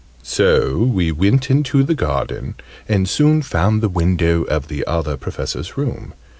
So we went into the garden, and soon found the window of the Other Professor's room.